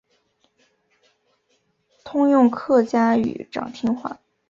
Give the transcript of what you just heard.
通用客家语长汀话。